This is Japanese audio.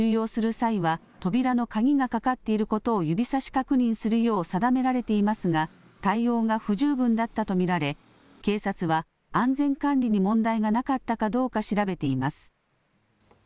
際は扉の鍵がかかっていることを指さし確認するよう定められていますが、対応が不十分だったと見られ警察は安全管理に問題がなかったかどうか調べています。